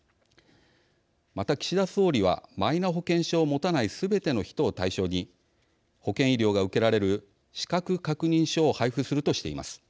また、岸田総理はマイナ保険証を持たないすべての人を対象に保険医療が受けられる資格確認書を配布するとしています。